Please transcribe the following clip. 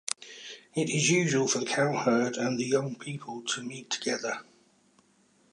It is usual for the cowherd and the young people to meet together.